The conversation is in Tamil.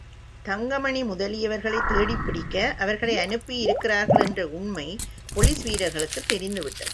தங்கமணி முதலியவர்களைத் தேடிப்பிடிக்க அவர்களை அனுப்பியிருக்கிறார்கள் என்ற உண்மை போலீஸ் வீரர்களுக்குத் தெரிந்துவிட்டது.